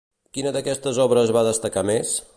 Quina d'aquestes obres va destacar més?